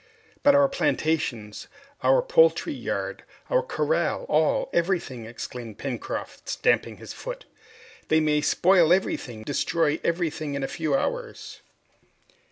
"But our plantations, our poultry yard, our corral, all, everything!" exclaimed Pencroft, stamping his foot. "They may spoil everything, destroy everything in a few hours!"